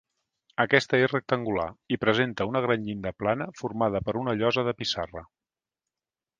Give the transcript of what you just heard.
Aquesta és rectangular i presenta una gran llinda plana formada per una llosa de pissarra.